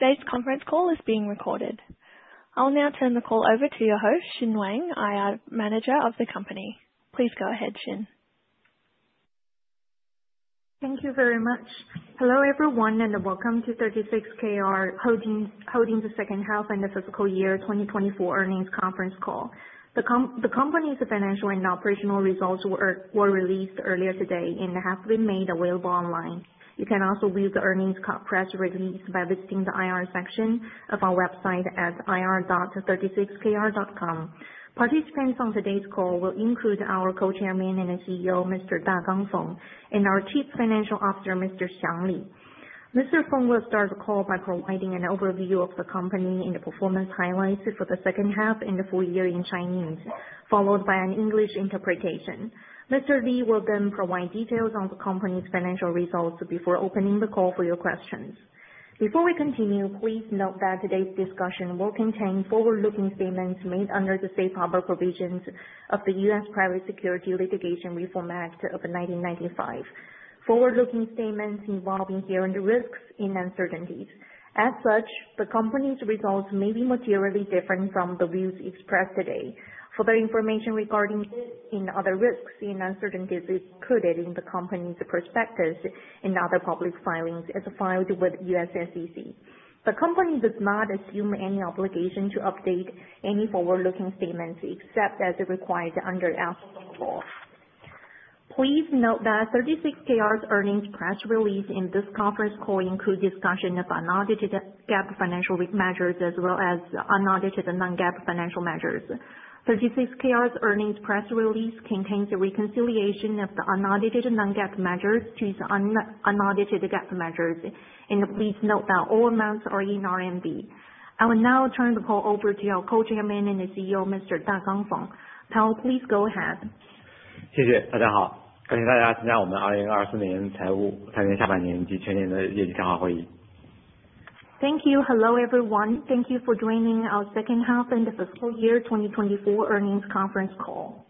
Today's conference call is being recorded. I'll now turn the call over to your host, Xin Wang, IR Manager of the company. Please go ahead, Xin. Thank you very much. Hello everyone and welcome to 36Kr Holdings' second half and the fiscal year 2024 earnings conference call. The company's financial and operational results were released earlier today and have been made available online. You can also view the earnings press release by visiting the IR section of our website at ir.36kr.com. Participants on today's call will include our Co-Chairman and CEO, Mr. Dagang Feng, and our Chief Financial Officer, Mr. Xiang Li. Mr. Feng will start the call by providing an overview of the company and the performance highlights for the second half and the full year in Chinese, followed by an English interpretation. Mr. Li will then provide details on the company's financial results before opening the call for your questions. Before we continue, please note that today's discussion will contain forward-looking statements made under the safe harbor provisions of the US Private Security Litigation Reform Act of 1995, forward-looking statements involving here the risks and uncertainties. As such, the company's results may be materially different from the views expressed today. Further information regarding risks and uncertainties is included in the company's perspectives and other public filings as filed with US SEC. The company does not assume any obligation to update any forward-looking statements except as required under actual law. Please note that 36Kr's earnings press release in this conference call includes discussion of unaudited GAAP financial measures as well as unaudited non-GAAP financial measures. 36Kr's earnings press release contains a reconciliation of the unaudited non-GAAP measures to the unaudited GAAP measures, and please note that all amounts are in RMB. I will now turn the call over to our Co-Chairman and CEO, Mr. Dagang Feng. Pell, please go ahead. 谢谢，大家好。感谢大家参加我们2024年财务财年下半年及全年的业绩谈话会议。Thank you. Hello everyone. Thank you for joining our second half and the fiscal year 2024 earnings conference call.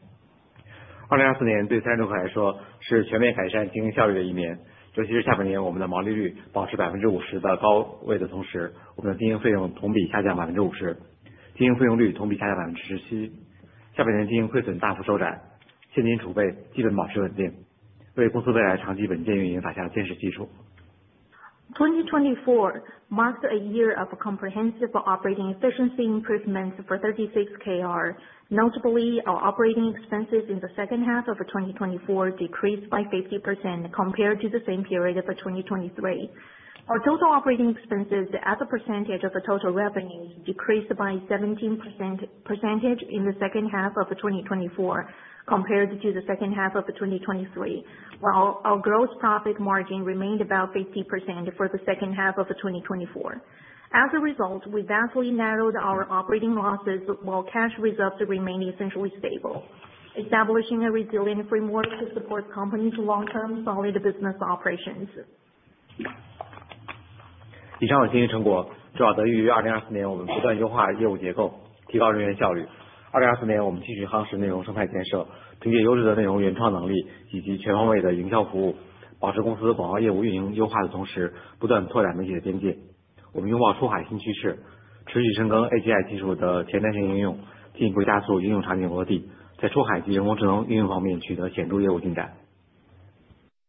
2024年对财政部来说是全面改善经营效率的一年，尤其是下半年我们的毛利率保持50%的高位的同时，我们的经营费用同比下降50%，经营费用率同比下降17%。下半年经营亏损大幅收窄，现金储备基本保持稳定，为公司未来长期稳健运营打下坚实基础。2024 marked a year of comprehensive operating efficiency improvements for 36Kr. Notably, our operating expenses in the second half of 2024 decreased by 50% compared to the same period of 2023. Our total operating expenses as a percentage of the total revenues decreased by 17% in the second half of 2024 compared to the second half of 2023, while our gross profit margin remained about 50% for the second half of 2024. As a result, we vastly narrowed our operating losses while cash results remained essentially stable, establishing a resilient framework to support the company's long-term solid business operations.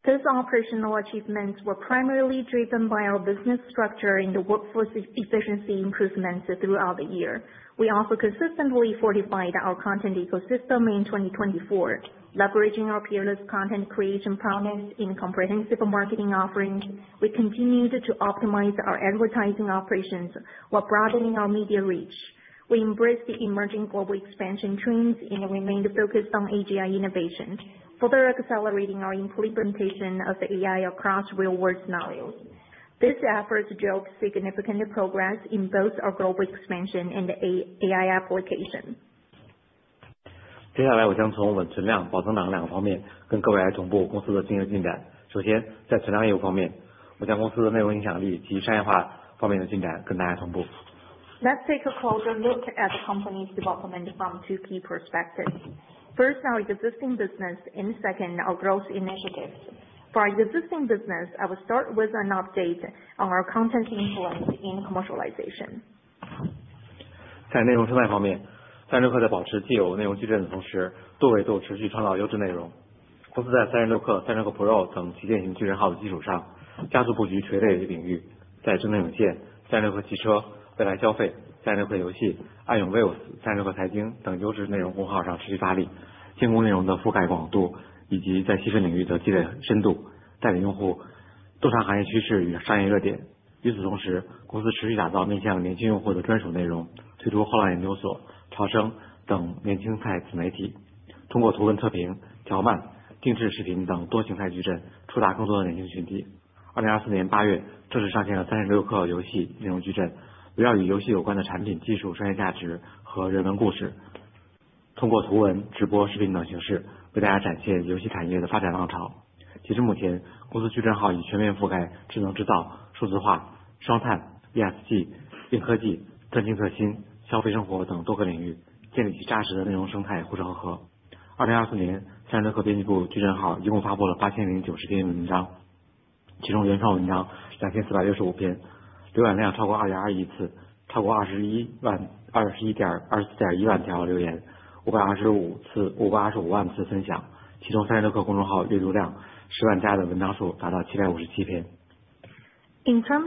Those operational achievements were primarily driven by our business structure and workforce efficiency improvements throughout the year. We also consistently fortified our content ecosystem in 2024, leveraging our peerless content creation prowess in comprehensive marketing offerings. We continued to optimize our advertising operations while broadening our media reach. We embraced the emerging global expansion trends and remained focused on AGI innovation, further accelerating our implementation of AI across real-world scenarios. This effort showed significant progress in both our global expansion and AI application. 接下来我将从我们存量保存档两个方面跟各位来同步公司的经营进展。首先在存量业务方面，我将公司的内容影响力及商业化方面的进展跟大家同步。Let's take a closer look at the company's development from two key perspectives. First, our existing business, and second, our growth initiatives. For our existing business, I will start with an update on our content influence in commercialization. 在内容生态方面，36Kr在保持既有内容矩阵的同时，多维度持续创造优质内容。公司在36Kr、36Kr In terms of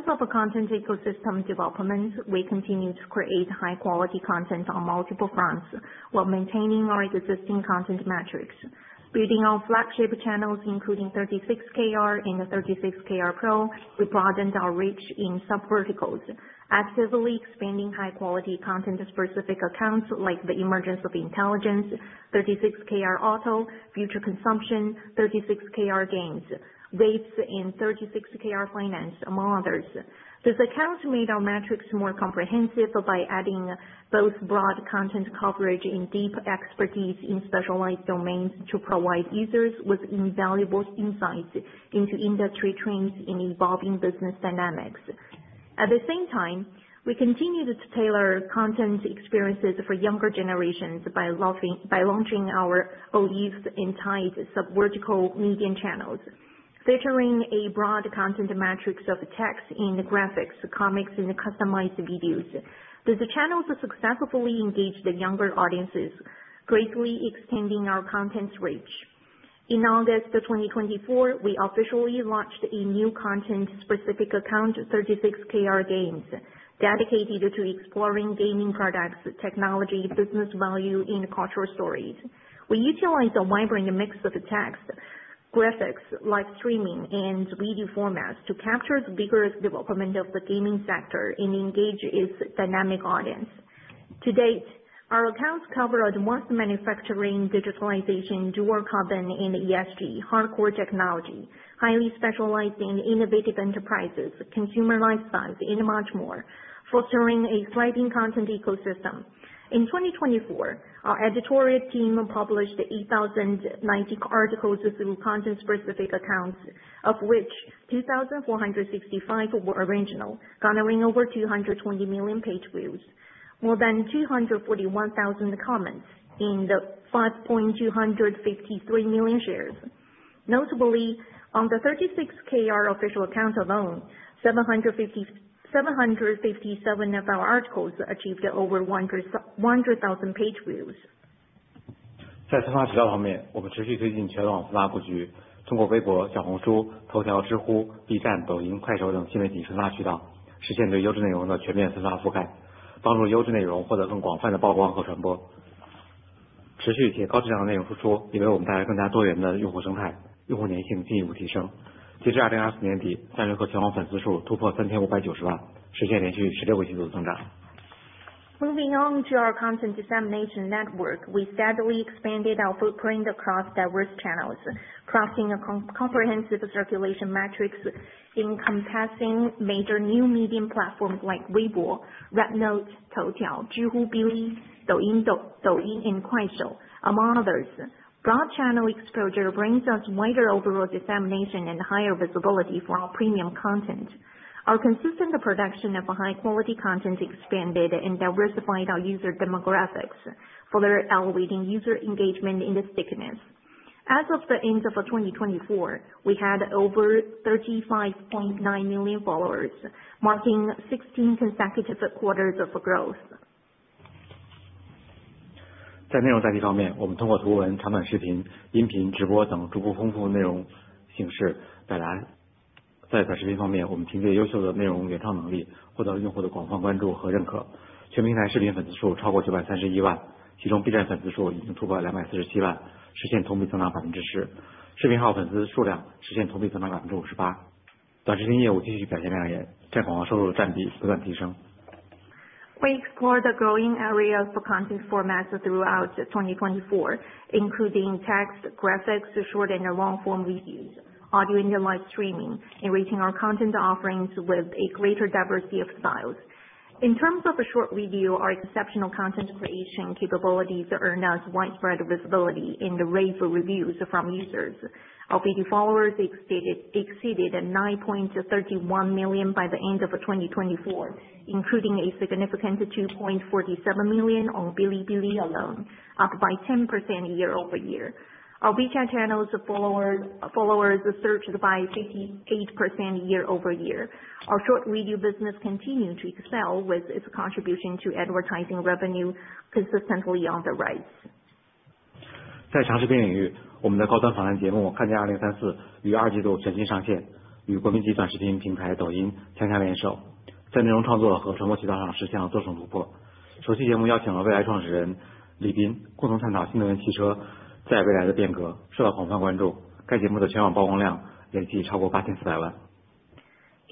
our content ecosystem development, we continue to create high-quality content on multiple fronts while maintaining our existing content metrics. Building our flagship channels, including 36Kr and 36Kr Pro, we broadened our reach in sub-verticals, actively expanding high-quality content-specific accounts like the emergence of Intelligence, 36Kr Auto, Future Consumption, 36Kr Games, Waves, and 36Kr Finance, among others. These accounts made our metrics more comprehensive by adding both broad content coverage and deep expertise in specialized domains to provide users with invaluable insights into industry trends and evolving business dynamics. At the same time, we continued to tailor content experiences for younger generations by launching our Waves and Tides sub-vertical medium channels, featuring a broad content matrix of text and graphics, comics, and customized videos. These channels successfully engage the younger audiences, greatly extending our content's reach. In August 2024, we officially launched a new content-specific account, 36Kr Games, dedicated to exploring gaming products, technology, business value, and cultural stories. We utilize a vibrant mix of text, graphics, live streaming, and video formats to capture the vigorous development of the gaming sector and engage its dynamic audience. To date, our accounts cover advanced manufacturing, digitalization, dual carbon, and ESG, hardcore technology, highly specialized in innovative enterprises, consumer lifestyles, and much more, fostering a thriving content ecosystem. In 2024, our editorial team published 8,090 articles through content-specific accounts, of which 2,465 were original, garnering over 220 million page views, more than 241,000 comments, and 5,253 million shares. Notably, on the 36Kr official account alone, 757 of our articles achieved over 100,000 page views. 在分发渠道方面，我们持续推进全网分发布局，通过微博、小红书、头条、知乎、B站、抖音、快手等新媒体分发渠道，实现对优质内容的全面分发覆盖，帮助优质内容获得更广泛的曝光和传播。持续且高质量的内容输出，也为我们带来更加多元的用户生态，用户粘性进一步提升。截至2024年底，36Kr全网粉丝数突破3,590万，实现连续16个季度的增长。Moving on to our content dissemination network, we steadily expanded our footprint across diverse channels, crafting a comprehensive circulation matrix encompassing major new media platforms like Weibo, Red Note, Toutiao, Zhipu AI, Bili, Douyin, and Kuaishou, among others. Broad channel exposure brings us wider overall dissemination and higher visibility for our premium content. Our consistent production of high-quality content expanded and diversified our user demographics, further elevating user engagement and stickiness. As of the end of 2024, we had over 35.9 million followers, marking 16 consecutive quarters of growth. We explore the growing areas for content formats throughout 2024, including text, graphics, short and long-form reviews, audio and live streaming, enriching our content offerings with a greater diversity of styles. In terms of short review, our exceptional content creation capabilities earn us widespread visibility and rave reviews from users. Our followers exceeded 9.31 million by the end of 2024, including a significant 2.47 million on Bilibili alone, up by 10% year-over-year. Our WeChat channel followers surged by 58% year-over-year. Our short video business continued to excel with its contribution to advertising revenue consistently on the rise.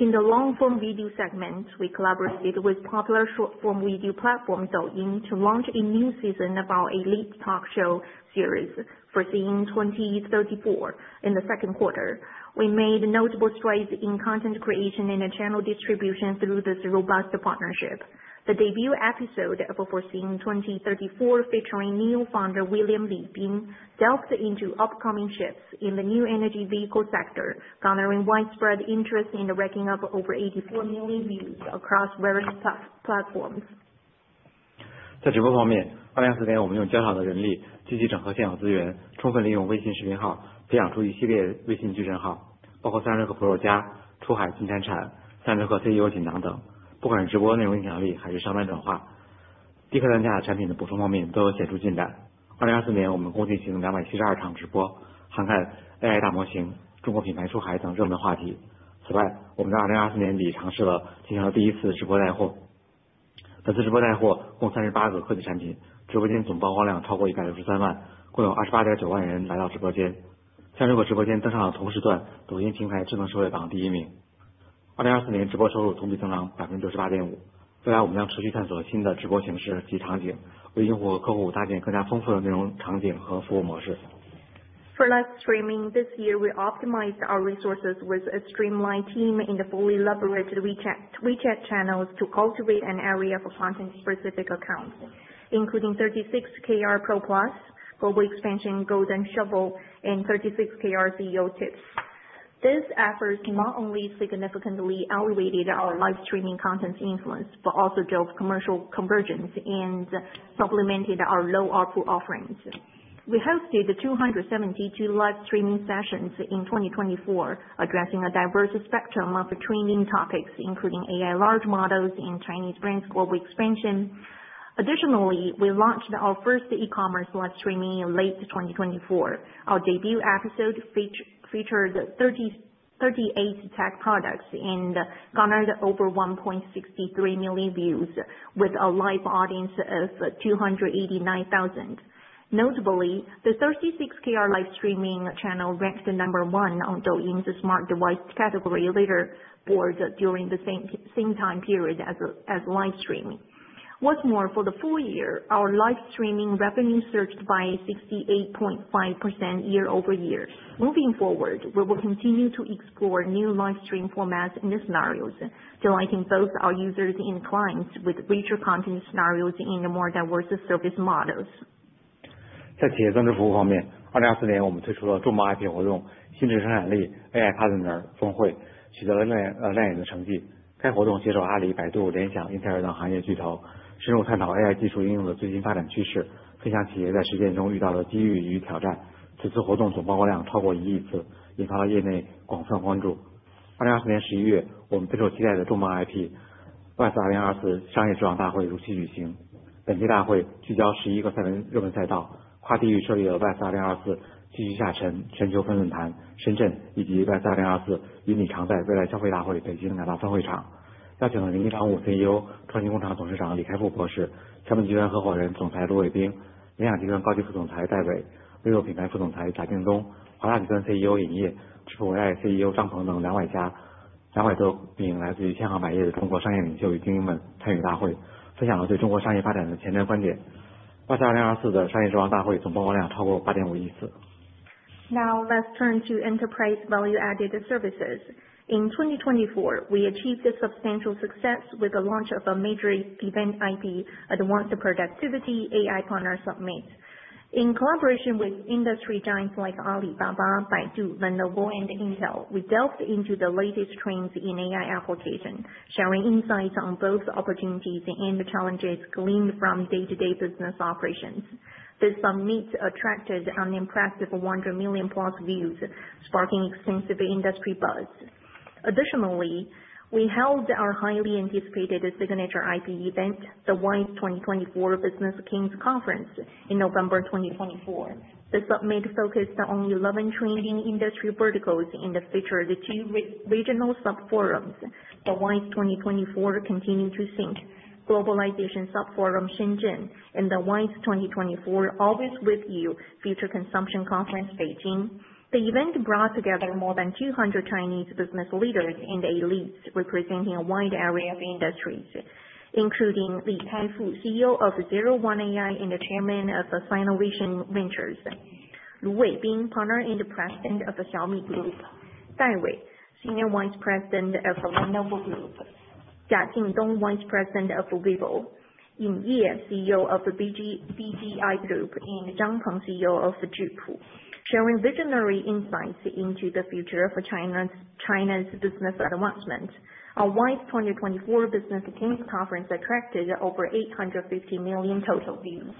In the long-form video segment, we collaborated with popular short-form video platform Douyin to launch a new season of our elite talk show series Foreseeing 2034 in the Q2. We made notable strides in content creation and channel distribution through this robust partnership. The debut episode of Foreseeing 2034, featuring NIO founder Li Bin, delves into upcoming shifts in the new energy vehicle sector, garnering widespread interest and racking up over 84 million views across various platforms. 在直播方面，2024年我们用较少的人力积极整合现有资源，充分利用微信视频号培养出一系列微信矩阵号，包括36Kr家出海、金山产、36Kr For live streaming this year, we optimized our resources with a streamlined team and fully leveraged WeChat channels to cultivate an area for content-specific accounts, including 36Kr Pro Plus, Global Expansion Golden Shovel, and 36Kr CEO Tips. This effort not only significantly elevated our live streaming content's influence, but also drove commercial convergence and supplemented our low-output offerings. We hosted 272 live streaming sessions in 2024, addressing a diverse spectrum of training topics, including AI large models and Chinese brands global expansion. Additionally, we launched our first e-commerce live streaming in late 2024. Our debut episode featured 38 tech products and garnered over 1.63 million views with a live audience of 289,000. Notably, the 36Kr live streaming channel ranked number one on Douyin's smart device category leader board during the same time period as live streaming. What's more, for the full year, our live streaming revenue surged by 68.5% year-over-year. Moving forward, we will continue to explore new live stream formats and scenarios, delighting both our users and clients with richer content scenarios and more diverse service models. "WISE 2024" 继续下沉全球分论坛，深圳以及 "WEST 2024" 云里常在未来消费大会北京两大分会场。邀请了云里常务CEO、创新工厂董事长李开复博士、强本集团合伙人总裁罗伟冰、联想集团高级副总裁戴伟、微弱品牌副总裁贾静东、华大集团CEO尹烨、智普AI CEO张鹏等200家、200多名来自于千行百业的中国商业领袖与精英们参与大会，分享了对中国商业发展的前瞻观点。"WEST 2024" 的商业职场大会总曝光量超过8.5亿次。Now let's turn to enterprise value-added services. In 2024, we achieved a substantial success with the launch of a major event IP at the Wanted Productivity AI Partner Summit. In collaboration with industry giants like Alibaba, Baidu, Lenovo, and Intel, we delved into the latest trends in AI application, sharing insights on both opportunities and challenges gleaned from day-to-day business operations. This summit attracted an impressive 100 million-plus views, sparking extensive industry buzz. Additionally, we held our highly anticipated signature IP event, the "WEST 2024 Business Kings Conference," in November 2024. The summit focused on 11 trending industry verticals and featured two regional sub-forums: the "WEST 2024 Continue to Think" globalization sub-forum Shenzhen and the "WEST 2024 Always With You Future Consumption Conference Beijing." The event brought together more than 200 Chinese business leaders and elites representing a wide area of industries, including Li Kaifu, CEO of Innovation Works and the chairman of Sinovation Ventures, Lu Weibing, partner and president of Xiaomi Group, Dai Wei, Senior Vice President of Lenovo Group, Jiaxing Dong, Vice President of Weibo, Yin Ye, CEO of BGI Group, and Zhang Peng, CEO of Zhihu, sharing visionary insights into the future of China's business advancement. Our "WEST 2024 Business Kings Conference" attracted over 850 million total views.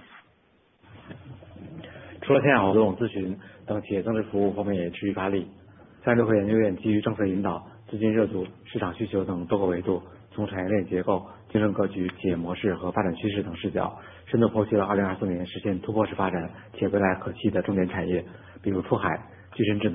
除了线上活动咨询等企业增值服务方面也持续发力。36Kr研究院基于政策引导、资金热度、市场需求等多个维度，从产业链结构、竞争格局、企业模式和发展趋势等视角，深度剖析了2024年实现突破式发展且未来可期的重点产业，比如出海、具身智能、低空经济、人工智能等。2024年36Kr研究院粉丝数增长率超11%，人效比显著提升。商业化方面，不仅守住了行业研究和产业规划的基准盘，也进一步增加了心调、品牌咨询等业务。In addition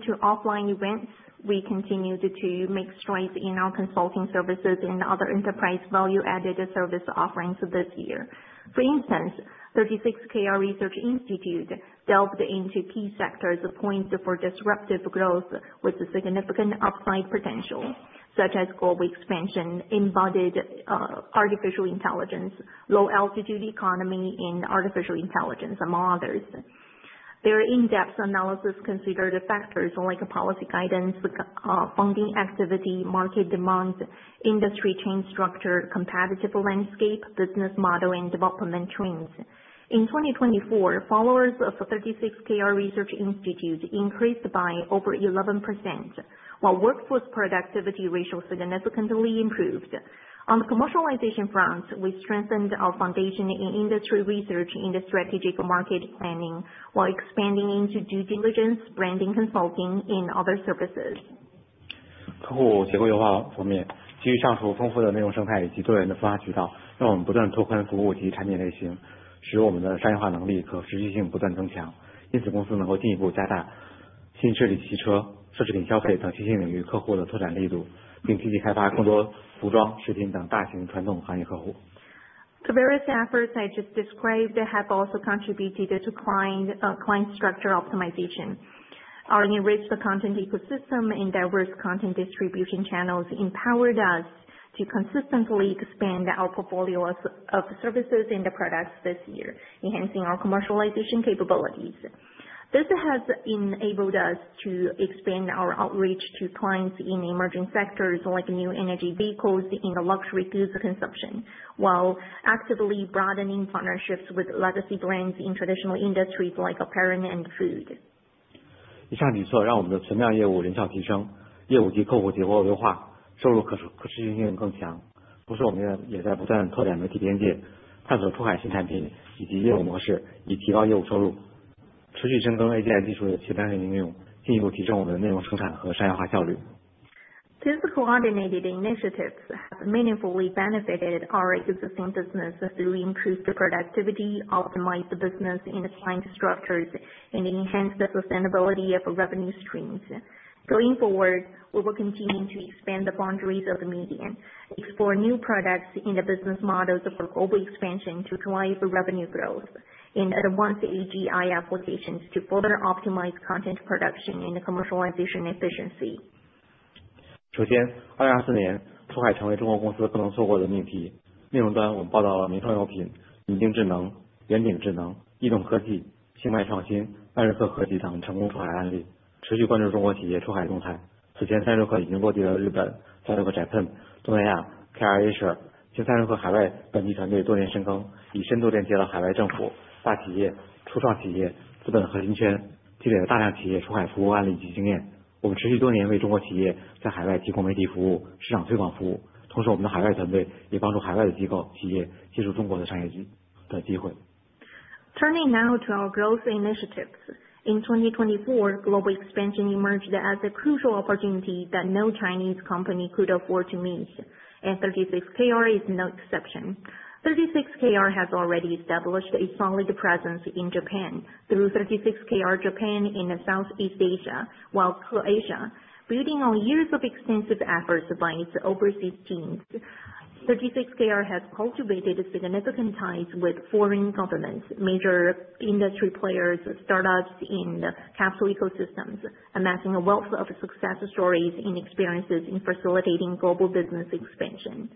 to offline events, we continued to make strides in our consulting services and other enterprise value-added service offerings this year. For instance, 36Kr Research Institute delved into key sectors poised for disruptive growth with significant upside potential, such as global expansion, embodied artificial intelligence, low altitude economy, and artificial intelligence, among others. Their in-depth analysis considered factors like policy guidance, funding activity, market demand, industry chain structure, competitive landscape, business model, and development trends. In 2024, followers of 36Kr Research Institute increased by over 11%, while workforce productivity ratio significantly improved. On the commercialization front, we strengthened our foundation in industry research and strategic market planning, while expanding into due diligence, branding consulting, and other services. 客户结构优化方面，基于上述丰富的内容生态以及多元的分发渠道，让我们不断拓宽服务及产品类型，使我们的商业化能力和持续性不断增强。因此，公司能够进一步加大新车、汽车、奢侈品消费等新兴领域客户的拓展力度，并积极开发更多服装、食品等大型传统行业客户。The various efforts I just described have also contributed to client structure optimization. Our enriched content ecosystem and diverse content distribution channels empowered us to consistently expand our portfolio of services and products this year, enhancing our commercialization capabilities. This has enabled us to expand our outreach to clients in emerging sectors like new energy vehicles and luxury goods consumption, while actively broadening partnerships with legacy brands in traditional industries like apparel and food. 以上举措让我们的存量业务人效提升，业务及客户结构优化，收入可持续性更强。同时，我们也在不断拓展媒体边界，探索出海新产品以及业务模式，以提高业务收入，持续深耕AGI技术的前端和应用，进一步提升我们的内容生产和商业化效率。These coordinated initiatives have meaningfully benefited our existing business through improved productivity, optimized business and client structures, and enhanced the sustainability of revenue streams. Going forward, we will continue to expand the boundaries of the median, explore new products and business models for global expansion to drive revenue growth, and advance AGI applications to further optimize content production and commercialization efficiency. 首先，2024年出海成为中国公司不能错过的命题。内容端，我们报道了民创用品、宁京智能、远景智能、移动科技、新麦创新、36Kr集团成功出海案例，持续关注中国企业出海动态。此前，36Kr已经落地了日本、36Kr Japan、东南亚、KrASIA，近36Kr海外本地团队多年深耕，以深度链接了海外政府、大企业、初创企业、资本核心圈，积累了大量企业出海服务案例及经验。我们持续多年为中国企业在海外提供媒体服务、市场推广服务。同时，我们的海外团队也帮助海外的机构、企业接触中国的商业机会。Turning now to our growth initiatives. In 2024, global expansion emerged as a crucial opportunity that no Chinese company could afford to miss, and 36Kr is no exception. 36Kr has already established a solid presence in Japan through 36Kr Japan and in Southeast Asia, while, crucially, building on years of extensive efforts by its overseas teams, 36Kr has cultivated significant ties with foreign governments, major industry players, startups, and capital ecosystems, amassing a wealth of success stories and experiences in facilitating global business expansion.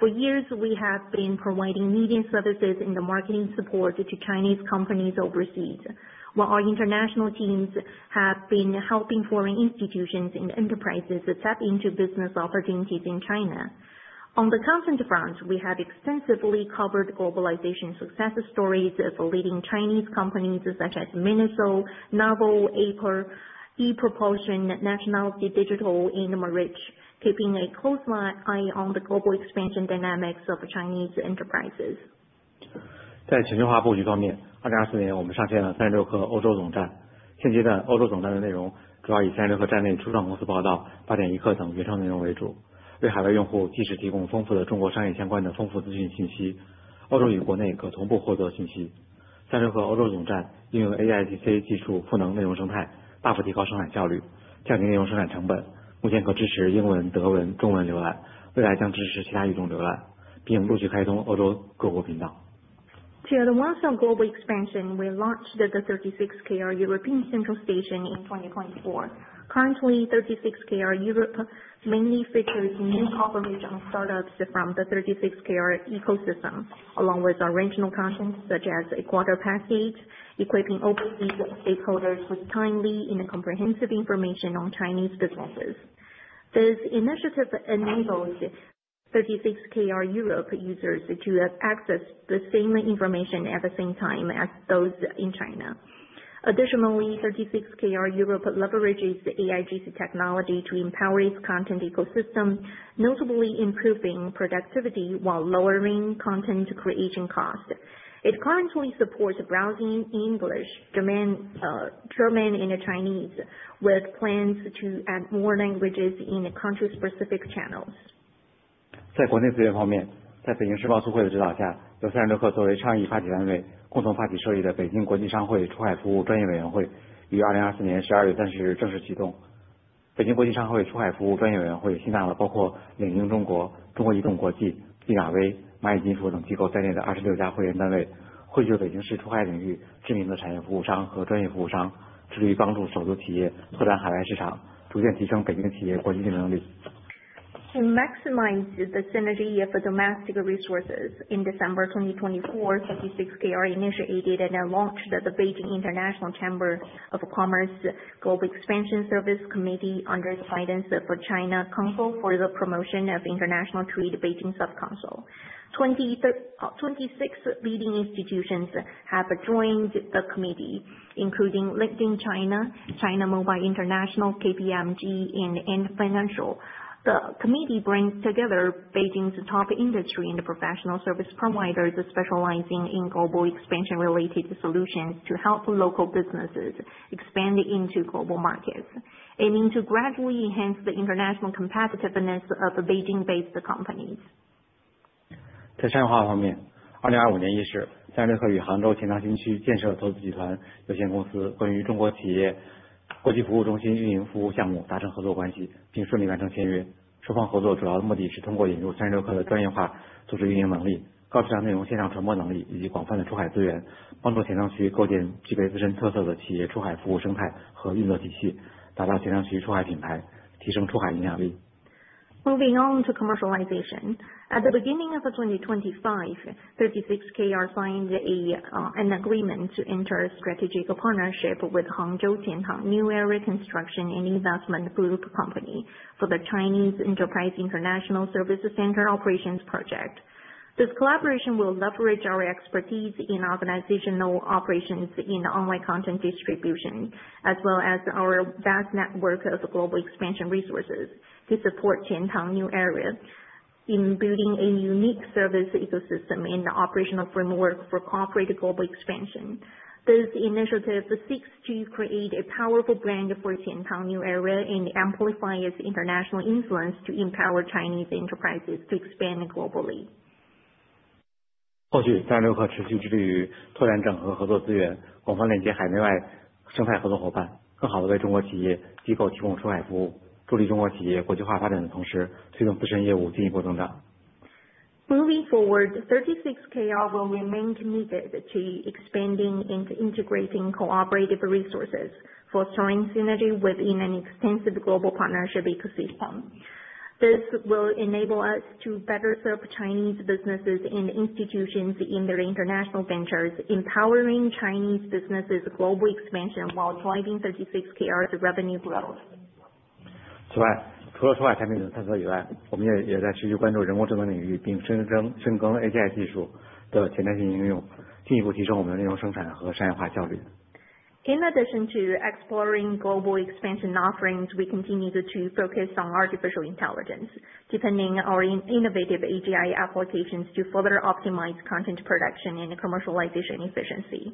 For years, we have been providing media services and marketing support to Chinese companies overseas, while our international teams have been helping foreign institutions and enterprises tap into business opportunities in China. On the content front, we have extensively covered globalization success stories of leading Chinese companies such as Miniso Novel, Anker, E-Propulsion, Nationality Digital, and Meritch, keeping a close eye on the global expansion dynamics of Chinese enterprises. 在全球化布局方面，2024年我们上线了36Kr欧洲总站。现阶段，欧洲总站的内容主要以36Kr站内初创公司报道、8.1Kr等原创内容为主，为海外用户及时提供丰富的中国商业相关的丰富资讯信息。欧洲与国内可同步获得资讯。36Kr欧洲总站应用AIGC技术赋能内容生态，大幅提高生产效率，降低内容生产成本。目前可支持英文、德文、中文浏览，未来将支持其他语种浏览，并陆续开通欧洲各国频道。To advance our global expansion, we launched the 36Kr European Central Station in 2024. Currently, 36Kr Europe mainly features new corporate startups from the 36Kr ecosystem, along with our regional content such as a quarter package, equipping overseas stakeholders with timely and comprehensive information on Chinese businesses. This initiative enables 36Kr Europe users to access the same information at the same time as those in China. Additionally, 36Kr Europe leverages AIGC technology to empower its content ecosystem, notably improving productivity while lowering content creation costs. It currently supports browsing in English, German, and Chinese, with plans to add more languages in country-specific channels. To maximize the synergy of domestic resources, in December 2024, 36Kr initiated and launched the Beijing International Chamber of Commerce Global Expansion Service Committee under the guidance of China Council for the Promotion of International Trade Beijing Subcouncil. Twenty-six leading institutions have joined the committee, including LinkedIn China, China Mobile International, KPMG, and Ant Financial. The committee brings together Beijing's top industry and professional service providers specializing in global expansion-related solutions to help local businesses expand into global markets, aiming to gradually enhance the international competitiveness of Beijing-based companies. Moving on to commercialization. At the beginning of 2025, 36Kr signed an agreement to enter a strategic partnership with Hangzhou Qian Tang New Area Construction and Investment Group for the Chinese Enterprise International Service Center Operations Project. This collaboration will leverage our expertise in organizational operations in online content distribution, as well as our vast network of global expansion resources, to support Qian Tang New Area in building a unique service ecosystem and operational framework for cooperative global expansion. This initiative seeks to create a powerful brand for Qian Tang New Area and amplify its international influence to empower Chinese enterprises to expand globally. 后续36Kr持续致力于拓展整合合作资源，广泛链接海内外生态合作伙伴，更好地为中国企业机构提供出海服务，助力中国企业国际化发展的同时，推动自身业务进一步增长。Moving forward, 36Kr will remain committed to expanding and integrating cooperative resources, fostering synergy within an extensive global partnership ecosystem. This will enable us to better serve Chinese businesses and institutions in their international ventures, empowering Chinese businesses' global expansion while driving 36Kr's revenue growth. 此外，除了出海产品的探索以外，我们也在持续关注人工智能领域，并深耕AGI技术的潜在性应用，进一步提升我们的内容生产和商业化效率。In addition to exploring global expansion offerings, we continue to focus on artificial intelligence, deepening our innovative AGI applications to further optimize content production and commercialization efficiency.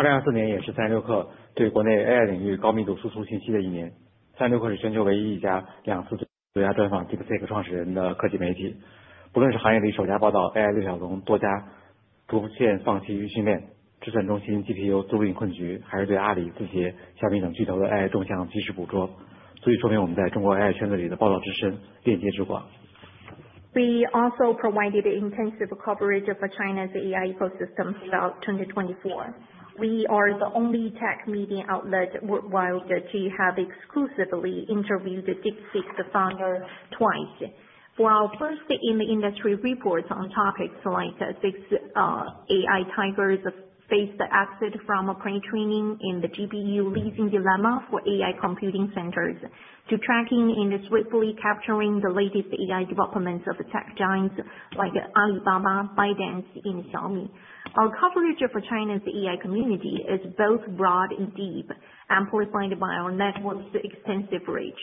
2024年也是36Kr对国内AI领域高密度输出信息的一年。36Kr是全球唯一一家两次最佳专访DeepSeek创始人的科技媒体。不论是行业里首家报道AI六小龙多家逐线放弃预训练、智算中心GPU租赁困局，还是对阿里、字节、小米等巨头的AI动向及时捕捉，足以说明我们在中国AI圈子里的报道之深、链接之广。We also provided intensive coverage for China's AI ecosystem throughout 2024. We are the only tech media outlet worldwide to have exclusively interviewed DeepSeek's founder twice. While first in the industry reports on topics like six AI tigers faced the exit from pre-training and the GPU leasing dilemma for AI computing centers, to tracking and swiftly capturing the latest AI developments of tech giants like Alibaba, ByteDance, and Xiaomi, our coverage of China's AI community is both broad and deep, amplified by our network's extensive reach.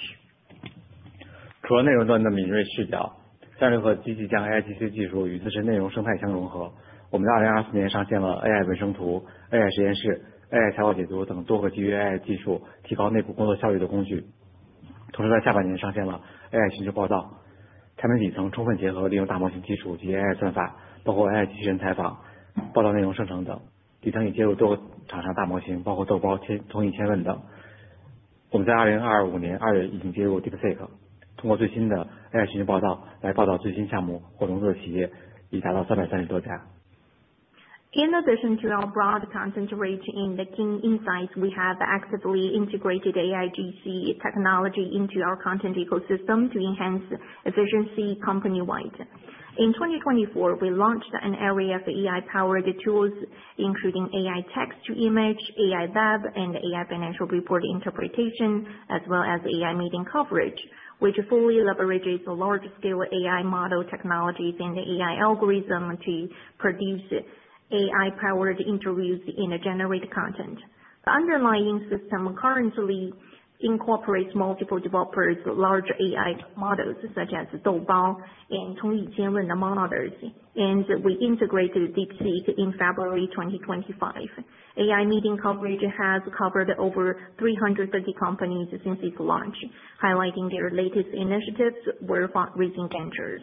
In addition to our broad content reach and the key insights, we have actively integrated AIGC technology into our content ecosystem to enhance efficiency company-wide. In 2024, we launched an area of AI-powered tools, including AI text-to-image, AI web, and AI financial report interpretation, as well as AI meeting coverage, which fully leverages large-scale AI model technologies and AI algorithms to produce AI-powered interviews and generate content. The underlying system currently incorporates multiple developers' large AI models, such as Doubao and Tongyi Qianwen among others, and we integrated DeepSeek in February 2025. AI meeting coverage has covered over 330 companies since its launch, highlighting their latest initiatives worth raising ventures.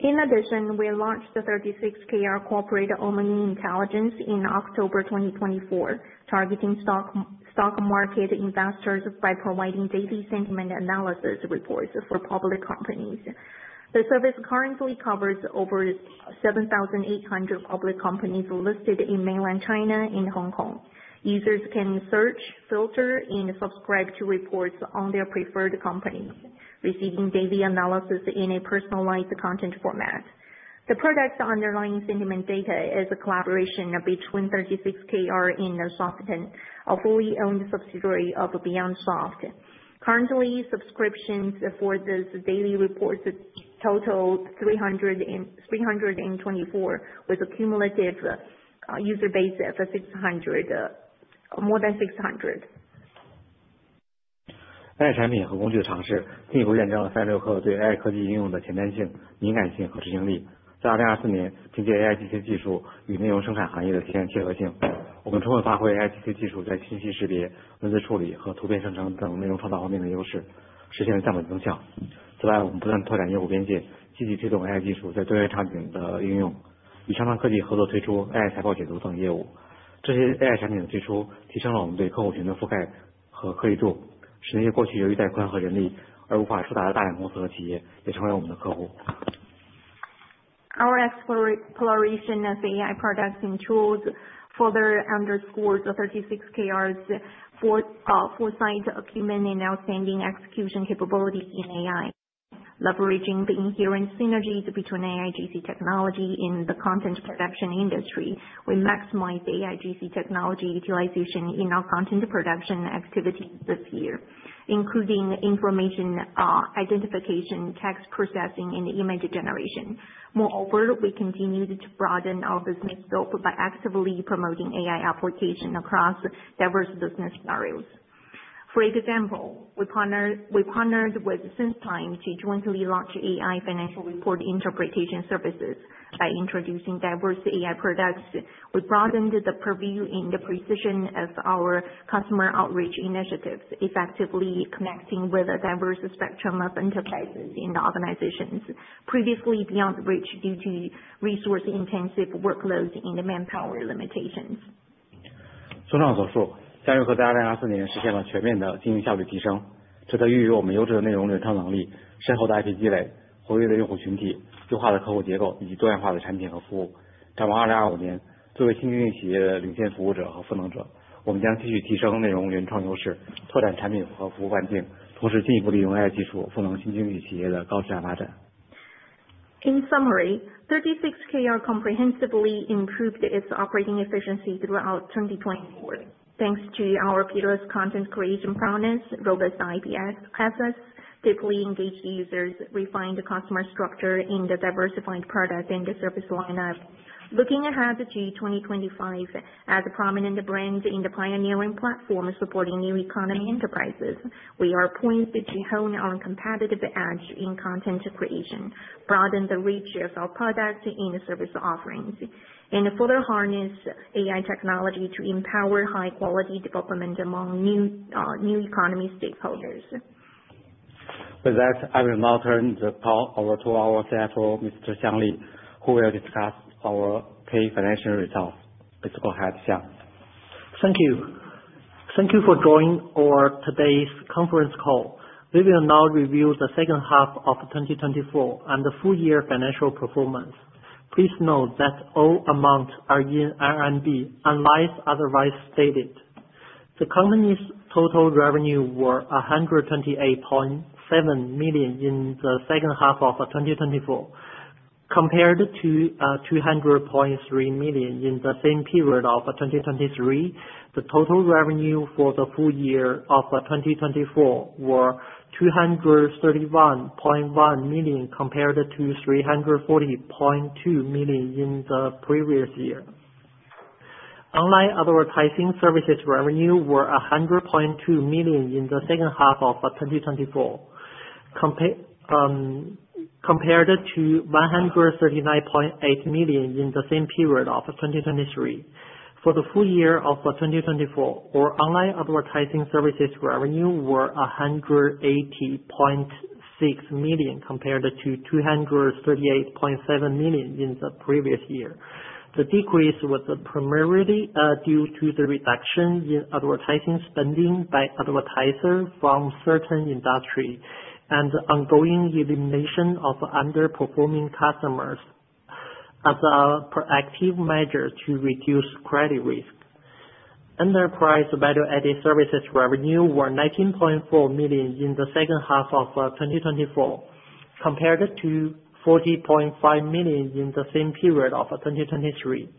In addition, we launched the 36Kr corporate omni-intelligence in October 2024, targeting stock market investors by providing daily sentiment analysis reports for public companies. The service currently covers over 7,800 public companies listed in mainland China and Hong Kong. Users can search, filter, and subscribe to reports on their preferred companies, receiving daily analysis in a personalized content format. The product's underlying sentiment data is a collaboration between 36Kr and BeyondSoft, a fully owned subsidiary of BeyondSoft. Currently, subscriptions for this daily report total 324, with a cumulative user base of more than 600. Our exploration of AI products and tools further underscores 36Kr's foresight, achievement, and outstanding execution capabilities in AI, leveraging the inherent synergies between AIGC technology and the content production industry. We maximize AIGC technology utilization in our content production activities this year, including information identification, text processing, and image generation. Moreover, we continue to broaden our business scope by actively promoting AI applications across diverse business scenarios. For example, we partnered with SenseTime to jointly launch AI financial report interpretation services. By introducing diverse AI products, we broadened the purview and the precision of our customer outreach initiatives, effectively connecting with a diverse spectrum of enterprises and organizations previously beyond reach due to resource-intensive workloads and manpower limitations. 综上所述，36Kr在2024年实现了全面的经营效率提升，这得益于我们优质的内容流通能力、深厚的IP积累、活跃的用户群体、优化的客户结构以及多元化的产品和服务。展望2025年，作为新经济企业的领先服务者和赋能者，我们将继续提升内容原创优势，拓展产品和服务半径，同时进一步利用AI技术赋能新经济企业的高质量发展。In summary, 36Kr comprehensively improved its operating efficiency throughout 2024, thanks to our peerless content creation prowess, robust IP assets, deeply engaged users, refined customer structure, and the diversified product and service lineup. Looking ahead to 2025 as a prominent brand and a pioneering platform supporting new economy enterprises, we are poised to hone our competitive edge in content creation, broaden the reach of our product and service offerings, and further harness AI technology to empower high-quality development among new economy stakeholders. I will now turn the call over to our CFO, Mr. Xiang Li, who will discuss our key financial results. It's all right, Xiang. Thank you. Thank you for joining our today's conference call. We will now review the second half of 2024 and the full year financial performance. Please note that all amounts are in RMB, unless otherwise stated. The company's total revenue was 128.7 million in the second half of 2024. Compared to 200.3 million in the same period of 2023, the total revenue for the full year of 2024 was 231.1 million compared to 340.2 million in the previous year. Online advertising services revenue was 100.2 million in the second half of 2024, compared to 139.8 million in the same period of 2023. For the full year of 2024, our online advertising services revenue was 180.6 million compared to 238.7 million in the previous year. The decrease was primarily due to the reduction in advertising spending by advertisers from certain industries and the ongoing elimination of underperforming customers as a proactive measure to reduce credit risk. Enterprise value-added services revenue was 19.4 million in the second half of 2024, compared to 40.5 million in the same period of 2023.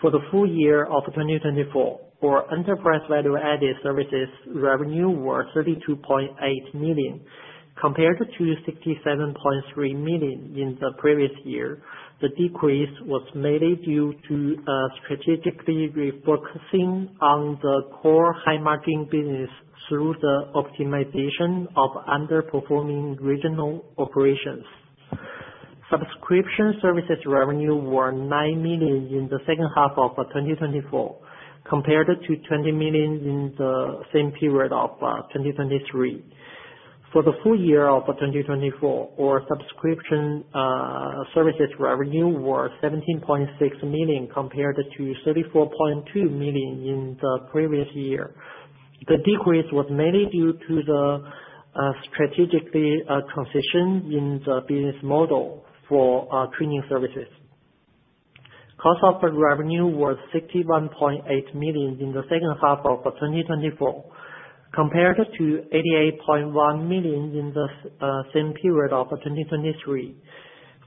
For the full year of 2024, our enterprise value-added services revenue was 32.8 million compared to 67.3 million in the previous year. The decrease was mainly due to strategically refocusing on the core high-margin business through the optimization of underperforming regional operations. Subscription services revenue was 9 million in the second half of 2024, compared to 20 million in the same period of 2023. For the full year of 2024, our subscription services revenue was 17.6 million compared to 34.2 million in the previous year. The decrease was mainly due to the strategically transitioned business model for training services. Cost of revenue was 61.8 million in the second half of 2024, compared to 88.1 million in the same period of 2023.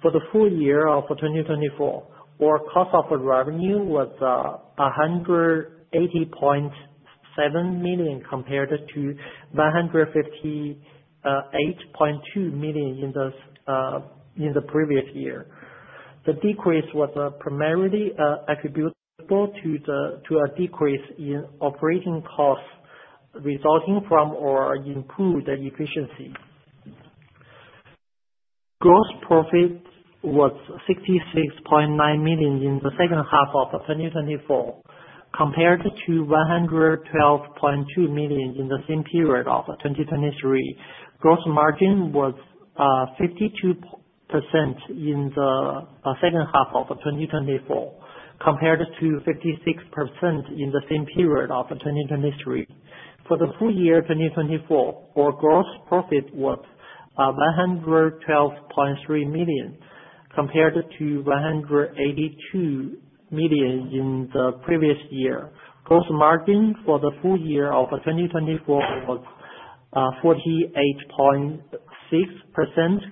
For the full year of 2024, our cost of revenue was 180.7 million compared to 158.2 million in the previous year. The decrease was primarily attributable to a decrease in operating costs resulting from our improved efficiency. Gross profit was 66.9 million in the second half of 2024, compared to 112.2 million in the same period of 2023. Gross margin was 52% in the second half of 2024, compared to 56% in the same period of 2023. For the full year 2024, our gross profit was 112.3 million compared to 182 million in the previous year. Gross margin for the full year of 2024 was 48.6%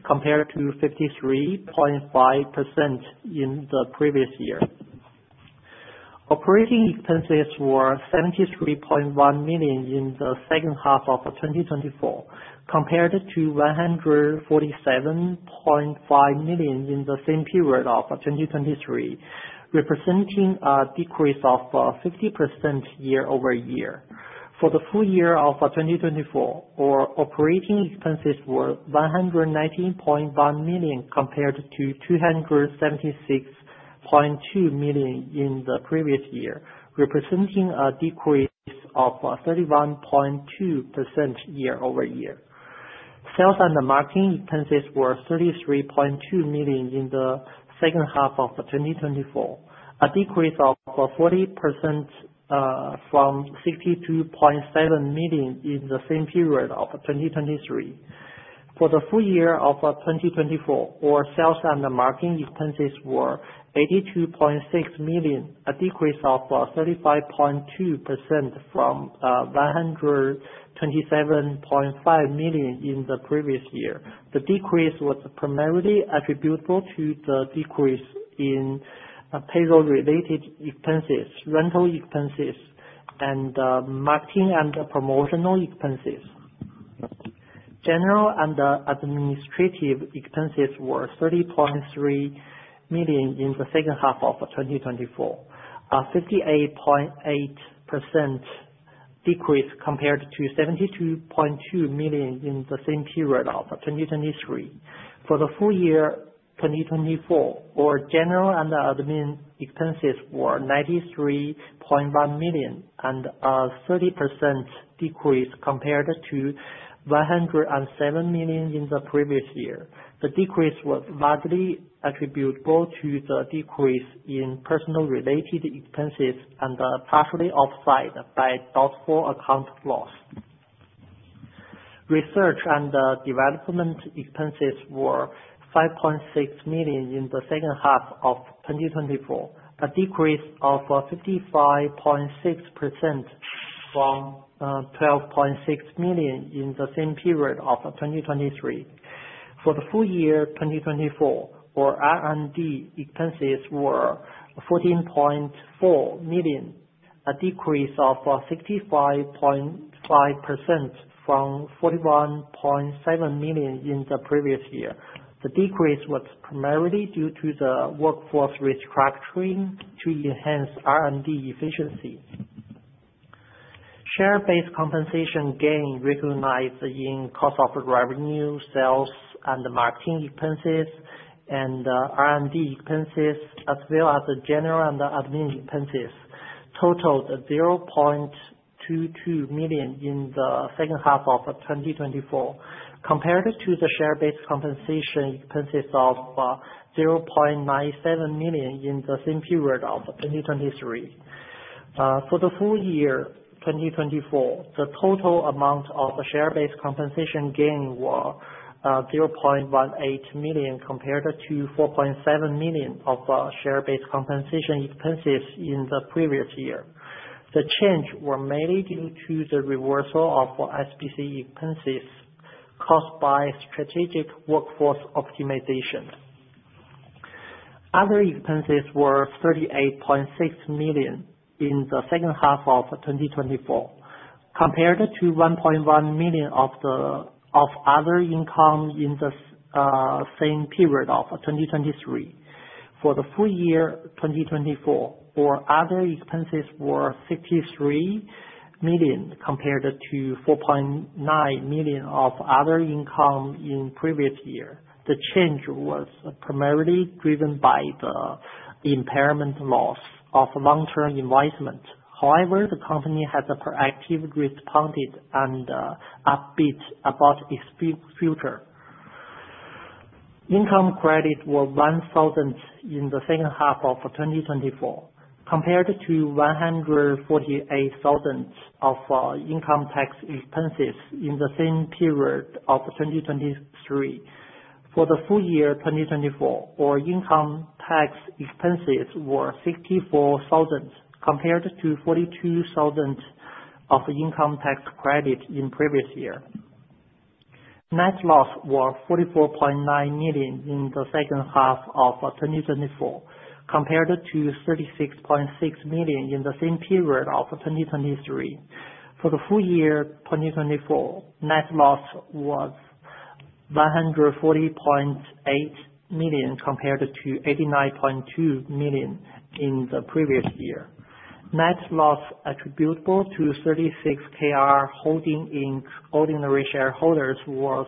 compared to 53.5% in the previous year. Operating expenses were 73.1 million in the second half of 2024, compared to 147.5 million in the same period of 2023, representing a decrease of 50% year-over-year. For the full year of 2024, our operating expenses were 119.1 million compared to 276.2 million in the previous year, representing a decrease of 31.2% year-over-year. Sales and marketing expenses were 33.2 million in the second half of 2024, a decrease of 40% from 62.7 million in the same period of 2023. For the full year of 2024, our sales and marketing expenses were 82.6 million, a decrease of 35.2% from 127.5 million in the previous year. The decrease was primarily attributable to the decrease in payroll-related expenses, rental expenses, and marketing and promotional expenses. General and administrative expenses were 30.3 million in the second half of 2024, a 58.8% decrease compared to 72.2 million in the same period of 2023. For the full year 2024, our general and admin expenses were 93.1 million, a 30% decrease compared to 107 million in the previous year. The decrease was largely attributable to the decrease in personnel-related expenses and partially offset by doubtful account loss. Research and development expenses were 5.6 million in the second half of 2024, a decrease of 55.6% from 12.6 million in the same period of 2023. For the full year 2024, our R&D expenses were 14.4 million, a decrease of 65.5% from 41.7 million in the previous year. The decrease was primarily due to the workforce restructuring to enhance R&D efficiency. Share-based compensation gain recognized in cost of revenue, sales and marketing expenses, and R&D expenses, as well as general and admin expenses, totaled 0.22 million in the second half of 2024, compared to the share-based compensation expenses of 0.97 million in the same period of 2023. For the full year 2024, the total amount of share-based compensation gain was 0.18 million compared to 4.7 million of share-based compensation expenses in the previous year. The change was mainly due to the reversal of SBC expenses caused by strategic workforce optimization. Other expenses were 38.6 million in the second half of 2024, compared to 1.1 million of other income in the same period of 2023. For the full year 2024, our other expenses were 63 million compared to 4.9 million of other income in the previous year. The change was primarily driven by the impairment loss of long-term investment. However, the company has a proactive response and is upbeat about its future. Income tax credit was 1,000 in the second half of 2024, compared to 148,000 of income tax expenses in the same period of 2023. For the full year 2024, our income tax expenses were 64,000 compared to 42,000 of income tax credit in the previous year. Net loss was 44.9 million in the second half of 2024, compared to 36.6 million in the same period of 2023. For the full year 2024, net loss was 140.8 million compared to 89.2 million in the previous year. Net loss attributable to 36Kr Holdings ordinary shareholders was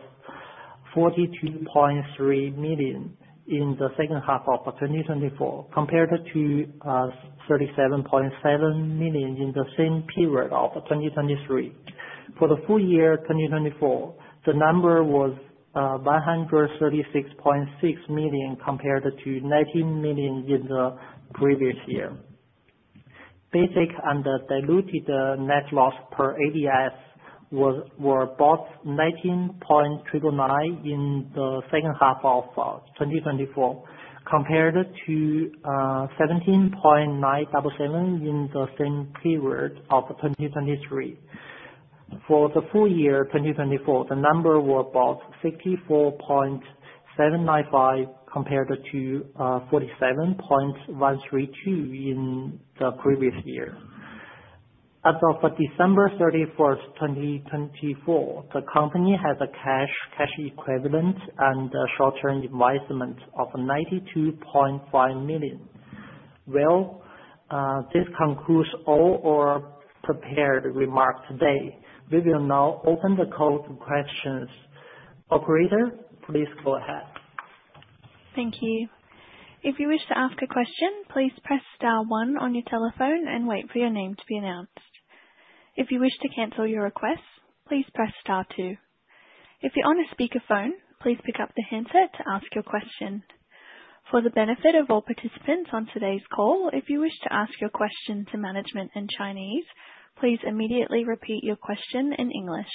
42.3 million in the second half of 2024, compared to 37.7 million in the same period of 2023. For the full year 2024, the number was 136.6 million compared to 19 million in the previous year. Basic and diluted net loss per ADS were both 19.999 in the second half of 2024, compared to 17.977 in the same period of 2023. For the full year 2024, the number was about 64.795 compared to 47.132 in the previous year. As of December 31, 2024, the company has a cash equivalent and short-term investment of 92.5 million. This concludes all our prepared remarks today. We will now open the call to questions. Operator, please go ahead. Thank you. If you wish to ask a question, please press star one on your telephone and wait for your name to be announced. If you wish to cancel your request, please press star two. If you're on a speakerphone, please pick up the handset to ask your question. For the benefit of all participants on today's call, if you wish to ask your question to management in Chinese, please immediately repeat your question in English.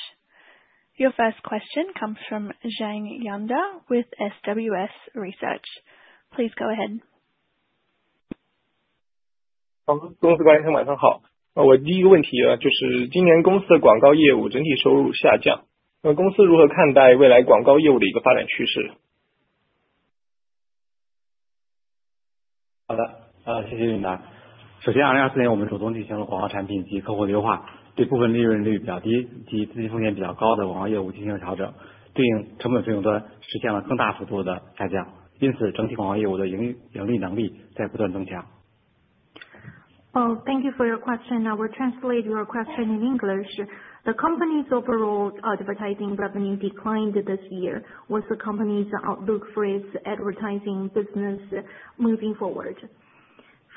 Your first question comes from Zhang Yanda with SWS Research. Please go ahead. 公司管理层晚上好。我第一个问题就是，今年公司的广告业务整体收入下降，公司如何看待未来广告业务的一个发展趋势？ 好的，谢谢领导。首先，2024年我们主动进行了广告产品及客户的优化，对部分利润率比较低及资金风险比较高的广告业务进行了调整，对应成本费用端实现了更大幅度的下降。因此，整体广告业务的盈利能力在不断增强。Thank you for your question. I will translate your question in English. The company's overall advertising revenue declined this year. What's the company's outlook for its advertising business moving forward?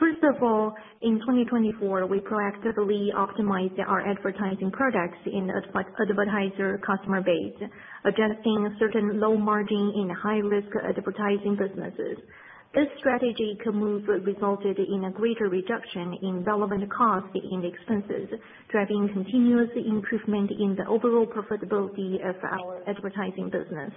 First of all, in 2024, we proactively optimized our advertising products in the advertiser customer base, adjusting certain low-margin and high-risk advertising businesses. This strategic move resulted in a greater reduction in relevant costs and expenses, driving continuous improvement in the overall profitability of our advertising business.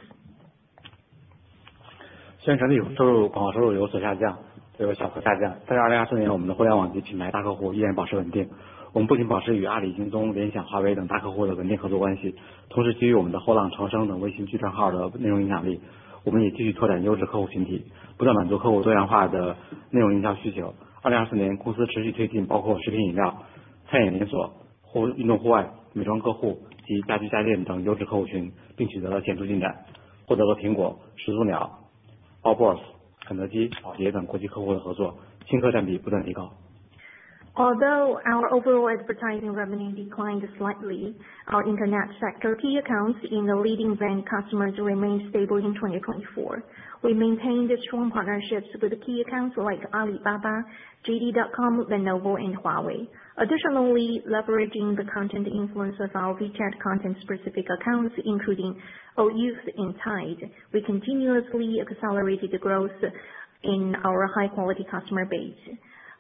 虽然产品总收入、广告收入有所下降，都有小幅下降，但是2024年我们的互联网及品牌大客户依然保持稳定。我们不仅保持与阿里、京东、联想、华为等大客户的稳定合作关系，同时基于我们的后浪潮生等微型巨账号的内容影响力，我们也继续拓展优质客户群体，不断满足客户多元化的内容营销需求。2024年公司持续推进，包括食品饮料、餐饮连锁、户外运动、美妆客户及家居家电等优质客户群，并取得了显著进展，获得了苹果、石头鸟、Outburst、肯德基、宝洁等国际客户的合作，新客占比不断提高。Although our overall advertising revenue declined slightly, our international sector key accounts in the leading brand customers remained stable in 2024. We maintained strong partnerships with key accounts like Alibaba, JD.com, Lenovo, and Huawei. Additionally, leveraging the content influence of our WeChat content-specific accounts, including O Youth and Tide, we continuously accelerated the growth in our high-quality customer base.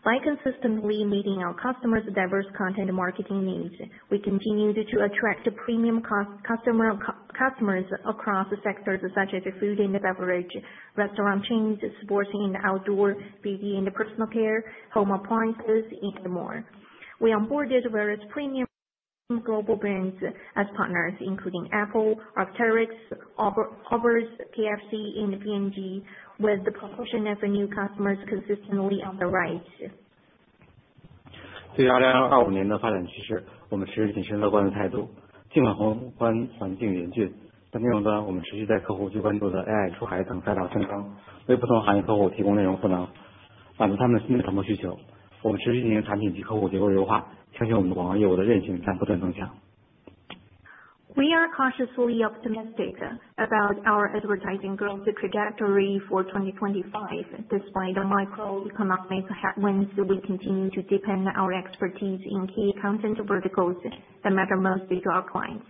By consistently meeting our customers' diverse content marketing needs, we continued to attract premium customers across sectors such as food and beverage, restaurant chains, sports and outdoor, beauty and personal care, home appliances, and more. We onboarded various premium global brands as partners, including Apple, Arc'teryx, Hobarts, KFC, and P&G, with the promotion of new customers consistently on the rise. 对于2025年的发展趋势，我们持续秉持乐观的态度。尽管宏观环境严峻，但内容端我们持续在客户最关注的AI、出海等赛道上升，为不同行业客户提供内容赋能，满足他们新的成本需求。我们持续进行产品及客户结构优化，强行我们的广告业务的韧性在不断增强。We are cautiously optimistic about our advertising growth trajectory for 2025. Despite the microeconomic headwinds, we continue to depend on our expertise in key content verticals that matter most to our clients,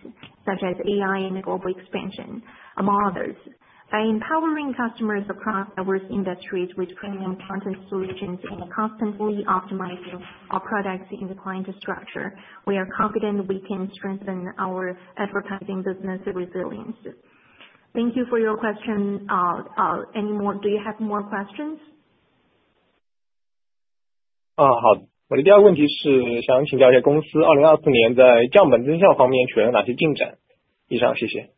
such as AI and global expansion, among others. By empowering customers across diverse industries with premium content solutions and constantly optimizing our products in the client structure, we are confident we can strengthen our advertising business resilience. Thank you for your question. Any more? Do you have more questions? 好，我的第二个问题是，想请教一下公司2024年在降本增效方面取得了哪些进展？以上，谢谢。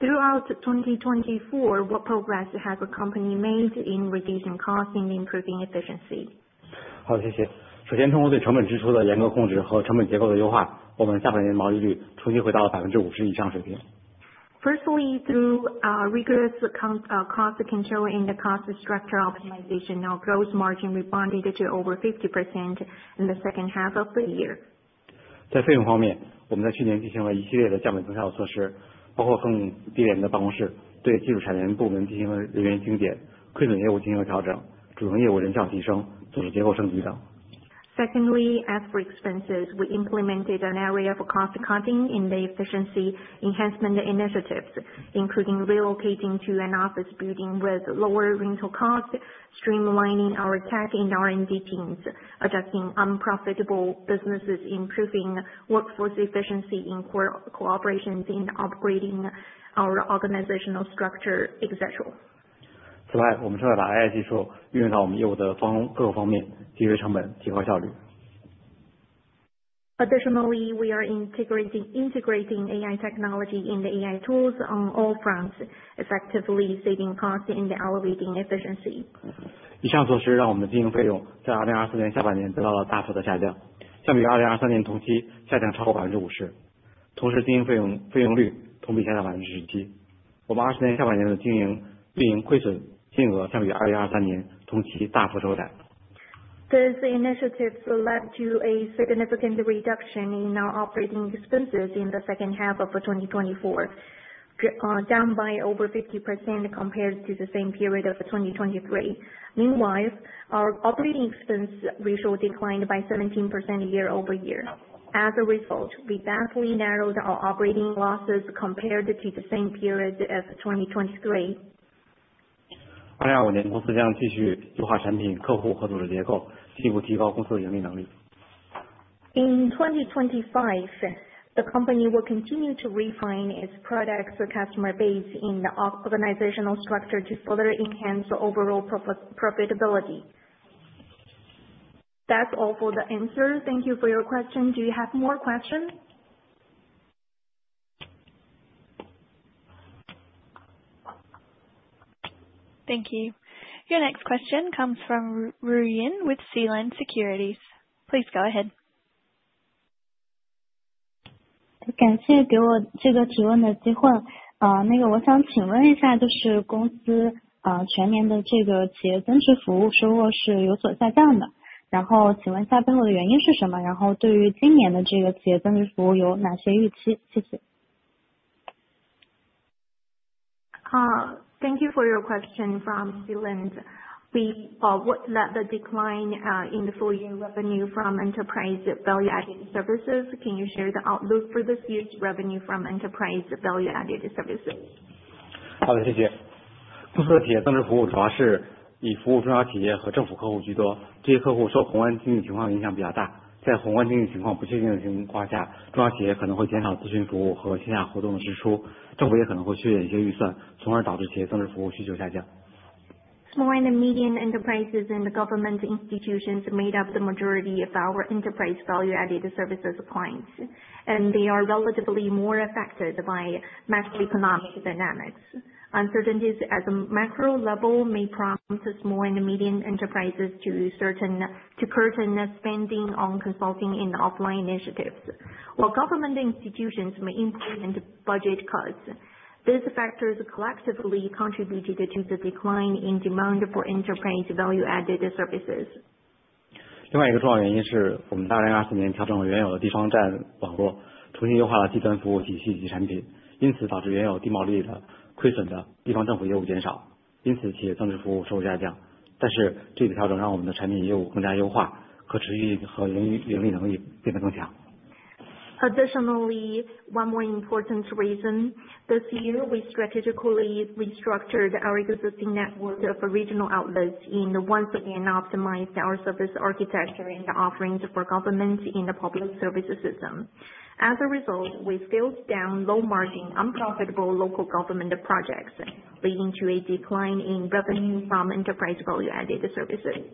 Throughout 2024, what progress has the company made in reducing costs and improving efficiency? 好，谢谢。首先，通过对成本支出的严格控制和成本结构的优化，我们下半年毛利率重新回到了50%以上水平。Firstly, through rigorous cost control and the cost structure optimization, our gross margin rebounded to over 50% in the second half of the year. Secondly, as for expenses, we implemented an area for cost cutting and the efficiency enhancement initiatives, including relocating to an office building with lower rental costs, streamlining our tech and R&D teams, adjusting unprofitable businesses, improving workforce efficiency in cooperation, and upgrading our organizational structure, etc. 此外，我们正在把AI技术运用到我们业务的各个方面，节约成本，提高效率。Additionally, we are integrating AI technology and AI tools on all fronts, effectively saving costs and elevating efficiency. 以上措施让我们的经营费用在2024年下半年得到了大幅的下降，相比于2023年同期下降超过50%。同时，经营费用率同比下降17%。我们20年下半年的经营运营亏损金额相比2023年同期大幅收窄。These initiatives led to a significant reduction in our operating expenses in the second half of 2024, down by over 50% compared to the same period of 2023. Meanwhile, our operating expense ratio declined by 17% year-over-year. As a result, we vastly narrowed our operating losses compared to the same period of 2023. 2025年公司将继续优化产品、客户合作的结构，进一步提高公司的盈利能力。In 2025, the company will continue to refine its products and customer base in the organizational structure to further enhance overall profitability. That's all for the answers. Thank you for your question. Do you have more questions? Thank you. Your next question comes from Ruyin with Sealand Securities. Please go ahead. 感谢给我这个提问的机会。那个我想请问一下，就是公司全年的这个企业增值服务收入是有所下降的，然后请问一下背后的原因是什么？然后对于今年的这个企业增值服务有哪些预期？谢谢。Thank you for your question from Sealine. We let the decline in the full year revenue from enterprise value-added services. Can you share the outlook for this year's revenue from enterprise value-added services? 好的，谢谢。公司的企业增值服务主要是以服务中小企业和政府客户居多，这些客户受宏观经济情况的影响比较大。在宏观经济情况不确定的情况下，中小企业可能会减少咨询服务和线下活动的支出，政府也可能会削减一些预算，从而导致企业增值服务需求下降。Small and medium enterprises and government institutions made up the majority of our enterprise value-added services clients, and they are relatively more affected by macroeconomic dynamics. Uncertainties at the macro level may prompt small and medium enterprises to curtail spending on consulting and offline initiatives, while government institutions may implement budget cuts. These factors collectively contributed to the decline in demand for enterprise value-added services. 另外一个重要原因是，我们在2024年调整了原有的地方站网络，重新优化了低端服务体系及产品，因此导致原有低毛利的亏损的地方政府业务减少，因此企业增值服务收入下降。但是这一次调整让我们的产品业务更加优化，可持续和盈利能力变得更强。Additionally, one more important reason: this year we strategically restructured our existing network of regional outlets and once again optimized our service architecture and offerings for governments in the public service system. As a result, we scaled down low-margin, unprofitable local government projects, leading to a decline in revenue from enterprise value-added services.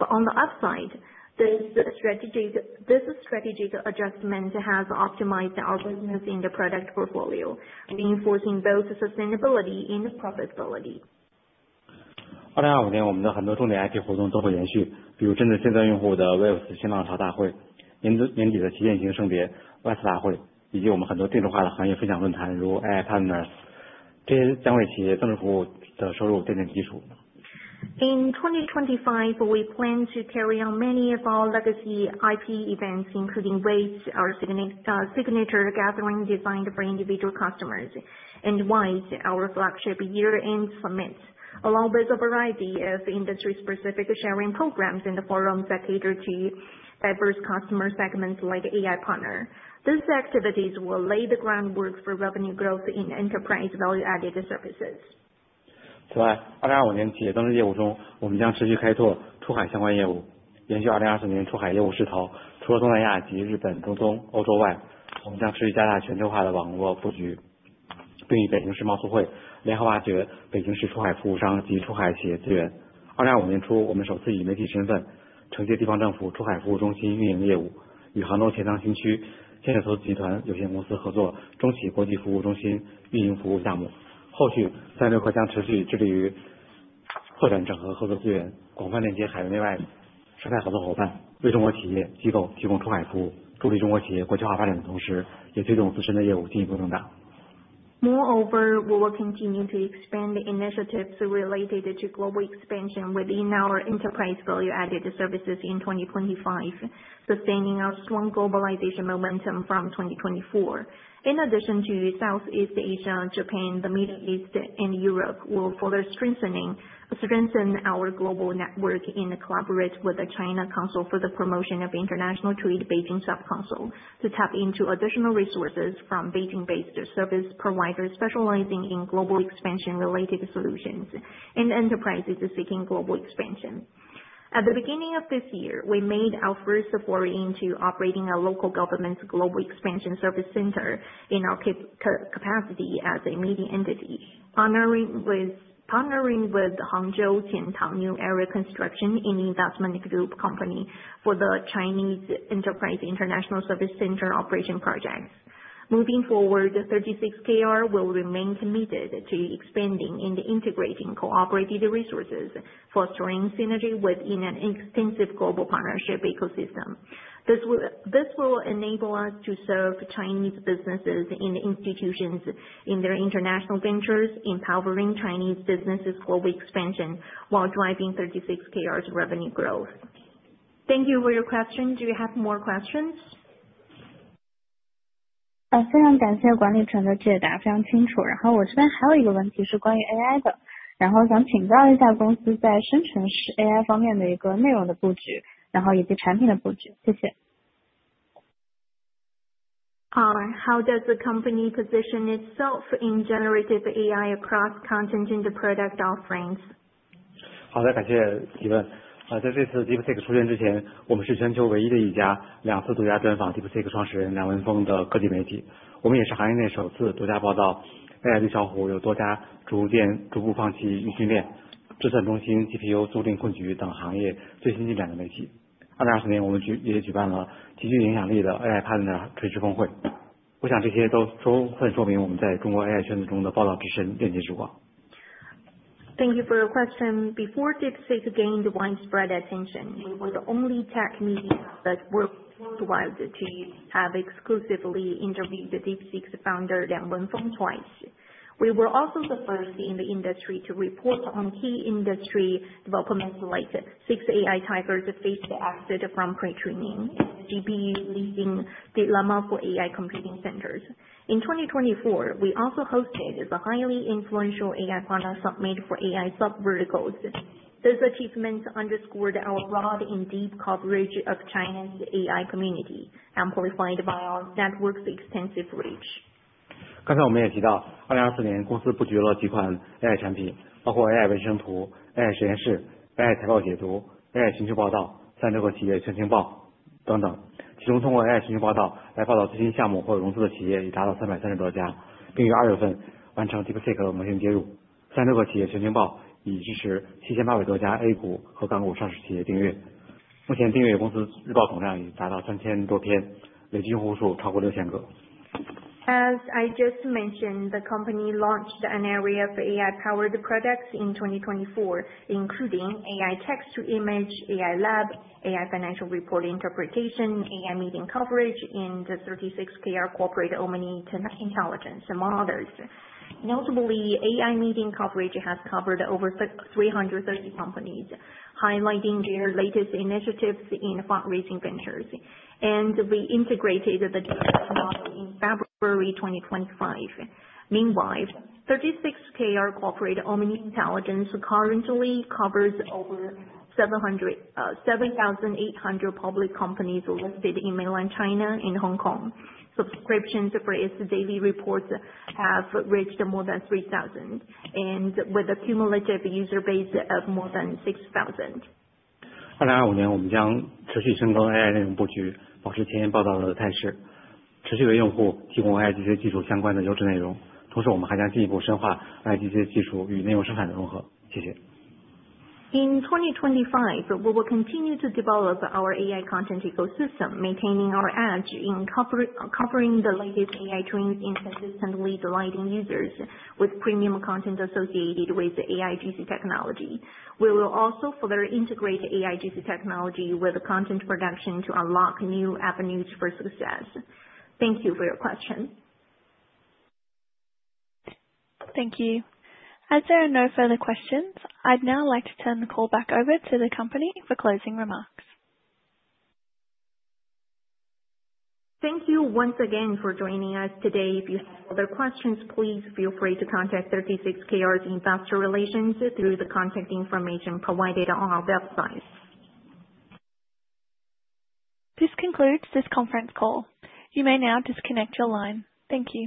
On the upside, this strategic adjustment has optimized our business in the product portfolio, reinforcing both sustainability and profitability. 2025年我们的很多重点IT活动都会延续，比如针对现在用户的Webs新浪潮大会、年底的旗舰型圣别YS大会，以及我们很多电动化的行业分享论坛，如AI Partners。这些将为企业增值服务的收入奠定基础。In 2025, we plan to carry on many of our legacy IT events, including WISE, our signature gathering designed for individual customers, and WISE, our flagship year-end summit, along with a variety of industry-specific sharing programs and forums that cater to diverse customer segments like AI Partner. These activities will lay the groundwork for revenue growth in enterprise value-added services. 此外，2025年企业增值业务中，我们将持续开拓出海相关业务，延续2024年出海业务势头。除了东南亚及日本、中东、欧洲外，我们将持续加大全球化的网络布局，并与北京市贸促会、联合华决、北京市出海服务商及出海企业资源。2025年初，我们首次以媒体身份承接地方政府出海服务中心运营业务，与杭州钱塘新区建设投资集团有限公司合作中企国际服务中心运营服务项目。后续战略可将持续致力于拓展整合合作资源，广泛链接海内外生态合作伙伴，为中国企业机构提供出海服务，助力中国企业国际化发展的同时，也推动自身的业务进一步增长。Moreover, we will continue to expand initiatives related to global expansion within our enterprise value-added services in 2025, sustaining our strong globalization momentum from 2024. In addition to Southeast Asia, Japan, the Middle East, and Europe, we will further strengthen our global network and collaborate with the China Council for the Promotion of International Trade Beijing Subcouncil to tap into additional resources from Beijing-based service providers specializing in global expansion-related solutions and enterprises seeking global expansion. At the beginning of this year, we made our first foray into operating a local government's global expansion service center in our capacity as a media entity, partnering with Hangzhou Qian Tang New Area Construction and Investment Group for the Chinese Enterprise International Service Center operation projects. Moving forward, 36Kr will remain committed to expanding and integrating cooperative resources, fostering synergy within an extensive global partnership ecosystem. This will enable us to serve Chinese businesses and institutions in their international ventures, empowering Chinese businesses for expansion while driving 36Kr's revenue growth. Thank you for your question. Do you have more questions? 非常感谢管理层的解答，非常清楚。然后我这边还有一个问题是关于AI的，然后想请教一下公司在生成式AI方面的一个内容的布局，然后以及产品的布局。谢谢。How does the company position itself in generative AI across content and product offerings? Thank you for your question. Before DeepSeek gained widespread attention, we were the only tech media that worked wild to have exclusively interviewed DeepSeek's founder Liang Wenfeng twice. We were also the first in the industry to report on key industry developments like six AI tigers faced acid from pre-training, GB leading the Llama for AI computing centers. In 2024, we also hosted the highly influential AI Partner Summit for AI subverticals. These achievements underscored our broad and deep coverage of China's AI community, amplified by our network's extensive reach. As I just mentioned, the company launched an area for AI-powered products in 2024, including AI text-to-image, AI lab, AI financial report interpretation, AI meeting coverage, and 36Kr corporate omni-intelligence, among others. Notably, AI meeting coverage has covered over 330 companies, highlighting their latest initiatives in fundraising ventures. We integrated the DeepSeek model in February 2025. Meanwhile, 36Kr corporate omni-intelligence currently covers over 7,800 public companies listed in mainland China and Hong Kong. Subscriptions for its daily reports have reached more than 3,000, and with a cumulative user base of more than 6,000. In 2025, we will continue to develop our AI content ecosystem, maintaining our edge in covering the latest AI trends and consistently delighting users with premium content associated with AIGC technology. We will also further integrate AIGC technology with content production to unlock new avenues for success. Thank you for your question. Thank you. As there are no further questions, I'd now like to turn the call back over to the company for closing remarks. Thank you once again for joining us today. If you have further questions, please feel free to contact 36Kr's investor relations through the contact information provided on our website. This concludes this conference call. You may now disconnect your line. Thank you.